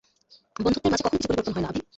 বন্ধুত্বের মাঝে কখনও কিছু পরিবর্তন হয় না, আভি।